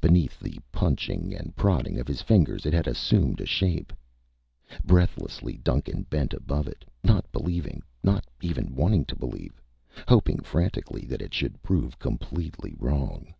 Beneath the punching and prodding of his fingers, it had assumed a shape. Breathlessly, Duncan bent above it, not believing, not even wanting to believe, hoping frantically that it should prove completely wrong.